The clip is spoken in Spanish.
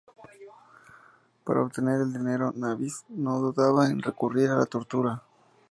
Para obtener el dinero, Nabis no dudaba en recurrir a la tortura.